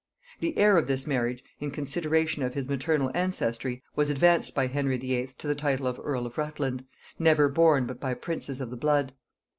The heir of this marriage, in consideration of his maternal ancestry, was advanced by Henry VIII. to the title of earl of Rutland, never borne but by princes of the blood.